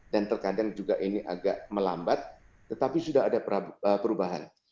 dan terkadang juga ini agak melambat tetapi sudah ada perubahan